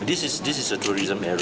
ini adalah era turisme